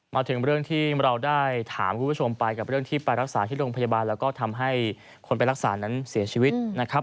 มาถึงเรื่องที่เราได้ถามคุณผู้ชมไปกับเรื่องที่ไปรักษาที่โรงพยาบาลแล้วก็ทำให้คนไปรักษานั้นเสียชีวิตนะครับ